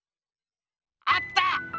あった！